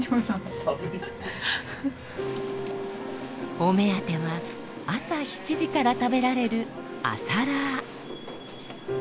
お目当ては朝７時から食べられる朝ラー。